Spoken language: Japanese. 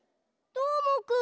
どーもくん？